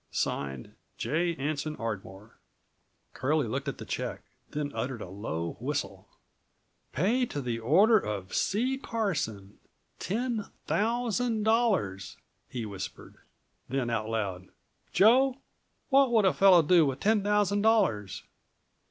"(Signed) J. Anson Ardmore." Curlie looked at the check, then uttered a low whistle.235 "Pay to the order of C. Carson, $10,000.00," he whispered. Then out loud: "Joe, what would a fellow do with ten thousand dollars?"